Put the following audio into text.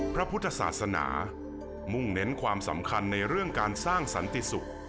พระพุทธศาสนามุ่งเน้นความสำคัญในเรื่องการสร้างสันติสุข